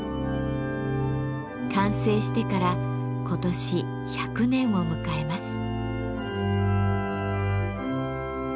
完成してから今年１００年を迎えます。